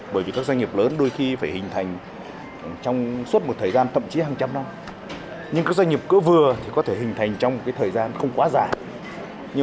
bởi vì các doanh nghiệp cỡ vừa có lợi thế trong cạnh tranh